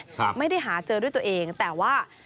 ครับไม่ได้หาเจอด้วยตัวเองแต่ว่า